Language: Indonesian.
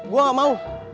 gue gak mau